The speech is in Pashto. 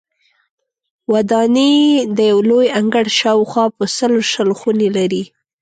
ودانۍ د یو لوی انګړ شاوخوا په سلو شل خونې لري.